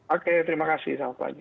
oke terima kasih